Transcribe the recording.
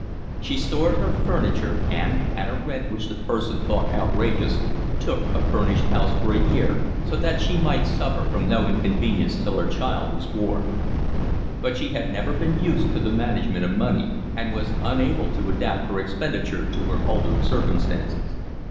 She stored her furniture, and, at a rent which the parson thought outrageous, took a furnished house for a year, so that she might suffer from no inconvenience till her child was born. But she had never been used to the management of money, and was unable to adapt her expenditure to her altered circumstances.